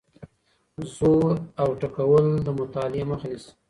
زور او ټکول د مطالعې مخه نیسي.